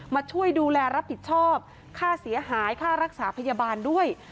มาช่วยดูแลรับผิดชอบค่าเสียหายค่ารักษาพยาบาลด้วย